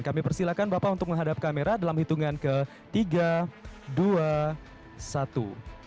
kami persilakan bapak untuk menghadap kamera dalam hitungan ketiga dua satu